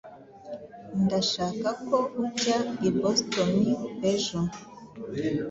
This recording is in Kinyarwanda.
Ndashaka ko ujya i Boston ejo.